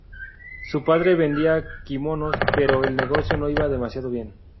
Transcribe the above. Su padre vendía kimonos, pero el negocio no iba demasiado bien.